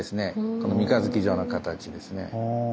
この三日月状の形ですね。